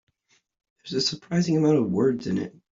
There's a surprising amount of words in it.